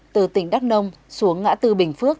từ tỉnh đắk nông xuống ngã tư bình phước